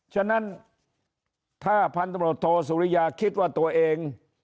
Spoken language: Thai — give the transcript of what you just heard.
ฉะนั้นถ้าพันธบทโทสุริยาคิดว่าตัวเอง